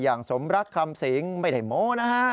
อย่างสมรักคำสิงไม่ได้โม้นะฮะ